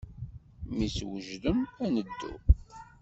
Mi twejdem, ad neddu.